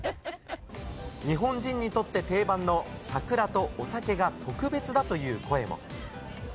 日本人にとって定番の桜とお酒が特別だという声も。